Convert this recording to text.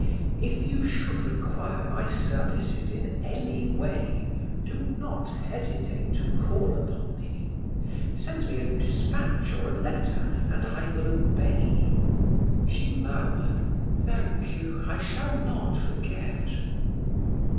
If you should require my services in any way, do not hesitate to call upon me. Send me a dispatch or a letter and I will obey." She murmured: "Thank you, I shall not forget."